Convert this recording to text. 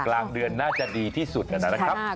กลางเดือนน่าจะดีที่สุดนะครับ